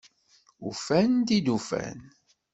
Ufan-d i d-ufan…